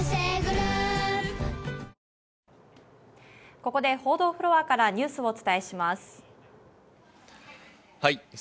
ここで報道フロアからニュー最新のニュースをお伝えします。